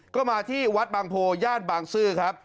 ก็มาที่วัดบางโพย่านบางซื่อครับ